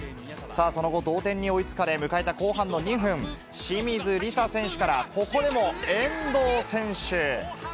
さあ、その後、同点に追いつかれ、迎えた後半の２分、清水梨紗選手から、ここでも遠藤選手。